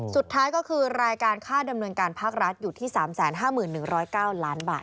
สุดท้ายก็คือรายการค่าดำเนินการภาครัฐอยู่ที่๓๕๑๐๙ล้านบาท